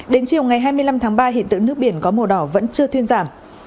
đến chiều ngày hai mươi năm tháng ba hiện tượng nước biển có màu đỏ vẫn chưa thuyên giảm